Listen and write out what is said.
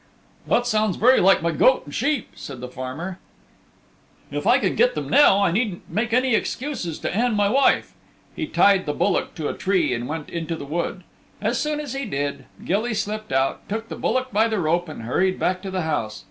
"That sounds very like my goat and sheep," said the farmer. "Maybe they weren't taken at all, but just strayed off. If I can get them now, I needn't make any excuses to Ann my wife." He tied the bullock to a tree and went into the wood. As soon as he did, Gilly slipped out, took the bullock by the rope and hurried back to the house.